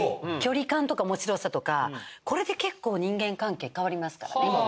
距離感とか面白さとかこれで結構人間関係変わりますからね。